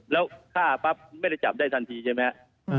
แล้วฆ่าปั๊บไม่ได้จับได้ทันทีใช่ไหมครับ